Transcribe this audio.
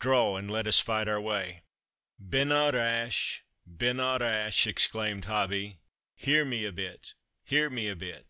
Draw, and let us fight our way." "Binna rash binna rash," exclaimed Hobbie; "hear me a bit, hear me a bit.